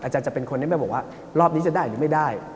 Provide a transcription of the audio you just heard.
จะเป็นคนที่ไม่บอกว่ารอบนี้จะได้หรือไม่ได้